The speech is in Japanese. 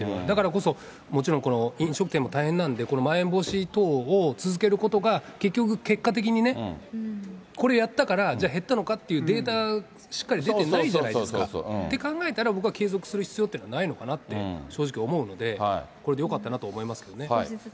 だからこそ、もちろん、飲食店も大変なんで、まん延防止等を続けることが、結局、結果的にね、これやったから、じゃあ減ったのかっていうデータ、しっかり出てなそうそうそう。って考えたら、僕は継続する必要ってないのかなって、正直思うので、これでよかったなと思いますけどね。